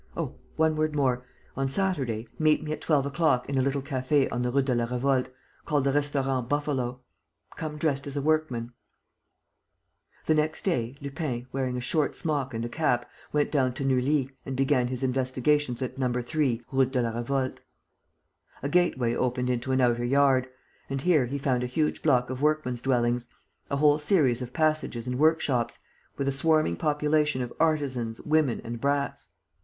Oh, one word more: on Saturday, meet me at twelve o'clock in a little café on the Route de la Revolte, called the Restaurant Buffalo. Come dressed as a workman." The next day, Lupin, wearing a short smock and a cap, went down to Neuilly and began his investigations at No. 3, Route de la Revolte. A gateway opened into an outer yard; and here he found a huge block of workmen's dwellings, a whole series of passages and workshops, with a swarming population of artisans, women and brats.